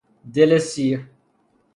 دل سیر